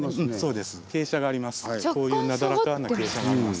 こういうなだらかな傾斜があります。